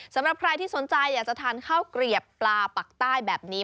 สำหรับใครที่สนใจอยากจะทานข้าวเกลียบปลาปักใต้แบบนี้